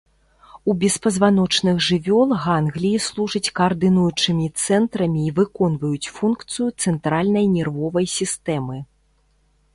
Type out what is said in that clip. У беспазваночных жывёл гангліі служаць каардынуючымі цэнтрамі і выконваюць функцыю цэнтральнай нервовай сістэмы.